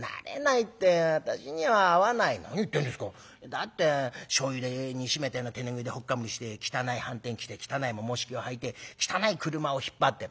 「だってしょうゆで煮しめたような手拭いでほっかむりして汚いはんてん着て汚いももひきをはいて汚い車を引っ張って」。